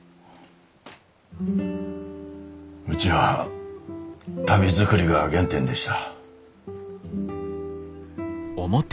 うちは足袋作りが原点でした。